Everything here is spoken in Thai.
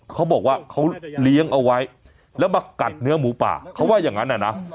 เขาบอกว่าเขาเลี้ยงเอาไว้แล้วมากัดเนื้อหมูป่าเขาว่าอย่างนั้นนะ